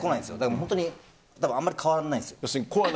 本当にあまり変わらないんですよ。